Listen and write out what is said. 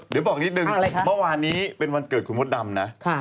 เดี๋ยวบอกนิดนึงเมื่อวานนี้เป็นวันเกิดคุณมดดำนะ